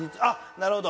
なるほど。